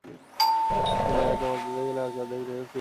নিচের লেয়ার জমাট বেঁধে গেলে বাকি অর্ধেক ঢেলে ফ্রিজে রেখে দিন।